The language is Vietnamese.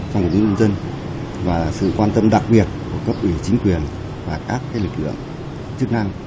trong một nguyên nhân dân và sự quan tâm đặc biệt của các ủy chính quyền và các lực lượng chức năng